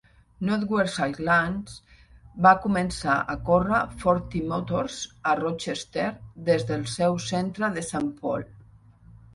Northwest Airlines va començar a córrer Ford Trimotors a Rochester des del seu centre de Saint Paul.